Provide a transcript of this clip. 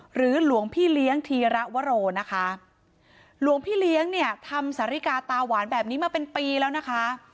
หลวงพี่เลี้ยงธีระวโรนะคะหลวงพี่เลี้ยงเนี่ยทำสาริกาตาหวานแบบนี้มาเป็นปีแล้วนะคะ